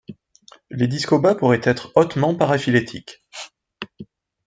Les Discoba pourraient être hautement paraphylétiques.